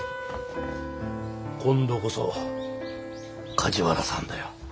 今度こそ梶原さんだよ。